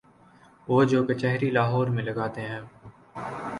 وہ جو کچہری لاہور میں لگاتے تھے۔